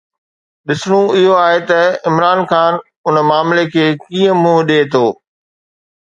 ڏسڻو اهو آهي ته عمران خان ان معاملي کي ڪيئن منهن ڏئي ٿو.